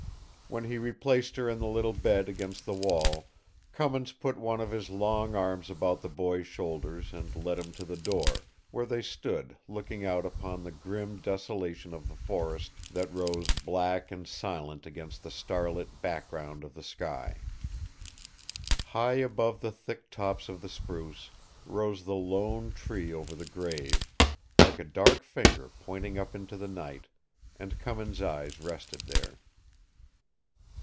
When he replaced her in the little bed against the wall, Cummins put one of his long arms about the boy's shoulders and led him to the door, where they stood looking out upon the grim desolation of the forest that rose black and silent against the starlit background of the sky. High above the thick tops of the spruce rose the lone tree over the grave, like a dark finger pointing up into the night, and Cummins' eyes rested there.